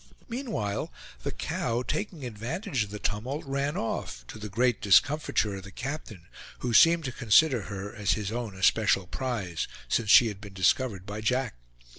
Meanwhile the cow, taking advantage of the tumult, ran off, to the great discomfiture of the captain, who seemed to consider her as his own especial prize, since she had been discovered by Jack.